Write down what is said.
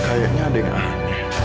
kayaknya ada yang aneh